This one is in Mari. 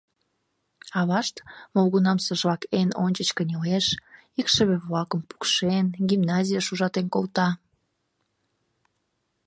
Авашт молгунамсыжлак эн ончыч кынелеш, икшыве-влакым, пукшен, гимназийыш ужатен колта.